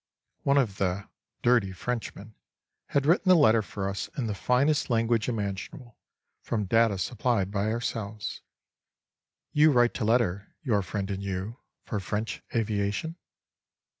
One of the "dirty Frenchmen" had written the letter for us in the finest language imaginable, from data supplied by ourselves. "You write a letter, your friend and you, for French aviation?"